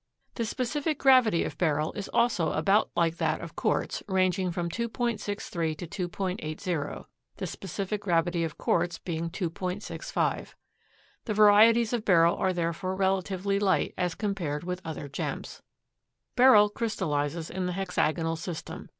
The specific gravity of Beryl is also about like that of quartz, ranging from 2.63 to 2.80; the specific gravity of quartz being 2.65. The varieties of Beryl are therefore relatively light as compared with other gems. Beryl crystallizes in the hexagonal system.